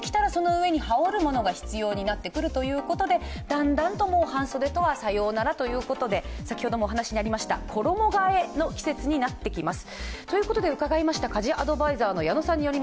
だんだんと半袖とはさようならということで衣がえの季節になってきます。